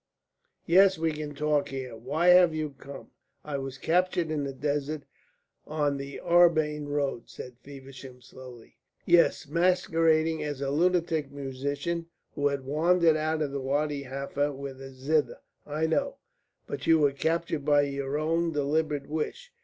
"Yes, we can talk here. Why have you come?" "I was captured in the desert, on the Arbain road," said Feversham, slowly. "Yes, masquerading as a lunatic musician who had wandered out of Wadi Halfa with a zither. I know. But you were captured by your own deliberate wish.